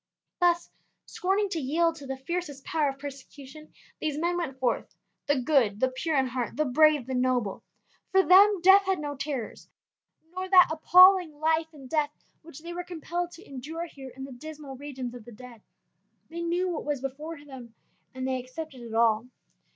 Thus, scorning to yield to the fiercest power of persecution, these men went forth, the good, the pure in heart, the brave, the noble. For then death had no terrors, nor that appalling life in death which they were compelled to endure here in the dismal regions of the dead. They knew what was before them, and they accepted it all.